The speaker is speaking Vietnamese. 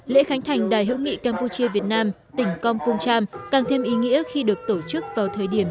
lễ khánh thành đài hữu nghị campuchia việt nam tỉnh kompong cham càng thêm ý nghĩa khi được tổ chức vào thời điểm